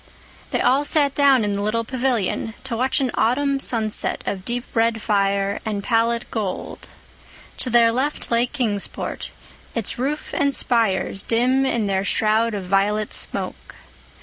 They all sat down in the little pavilion to watch an autumn sunset of deep red fire and pallid gold. To their left lay Kingsport, its roofs and spires dim in their shroud of violet smoke.